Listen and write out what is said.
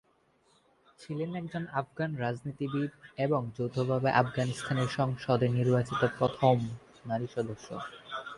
ছিলেন একজন আফগান রাজনীতিবিদ এবং যৌথভাবে আফগানিস্তানের সংসদে নির্বাচিত প্রথম নারী সদস্য।